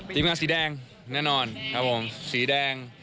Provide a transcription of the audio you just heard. ทีมงานสีแดงแน่นอนครับผมสีแดง